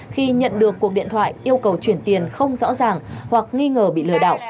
khi nhận được cuộc điện thoại yêu cầu chuyển tiền không rõ ràng hoặc nghi ngờ bị lừa đảo